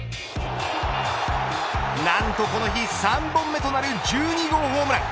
なんとこの日３本目となる１２号ホームラン。